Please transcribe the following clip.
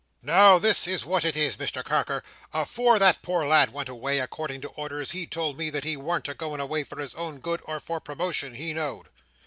Now this is what it is, Mr Carker.—Afore that poor lad went away, according to orders, he told me that he warn't a going away for his own good, or for promotion, he know'd.